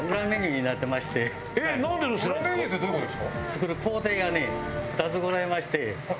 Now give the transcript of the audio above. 裏メニューってどういう事ですか？